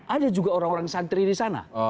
ada juga orang orang santri di sana